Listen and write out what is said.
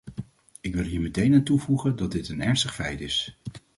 Ik wil hier meteen aan toevoegen dat dit een ernstig feit is.